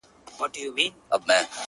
تر عرش چي څه رنگه کړه لنډه په رفتار کوڅه,